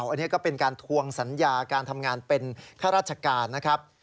อันนี้ก็เป็นการทวงสัญญาการทำงานเป็นข้าราชการนะครับ